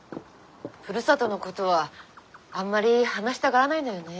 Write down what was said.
ふるさとのことはあんまり話したがらないのよねえ。